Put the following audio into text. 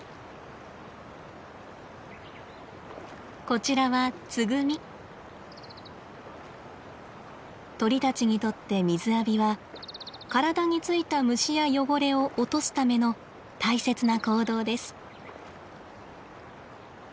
こちらは鳥たちにとって水浴びは体についた虫や汚れを落とすための大切な行動です。